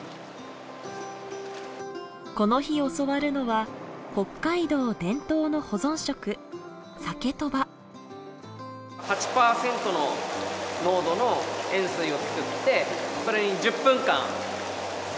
この日教わるのは北海道伝統の保存食８パーセントの濃度の塩水を作ってそれに１０分間漬けて味付け。